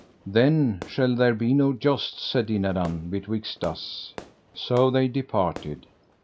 Then shall there be no jousts, said Dinadan, betwixt us. So they departed.